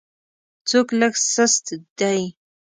څوک لږ سست دی.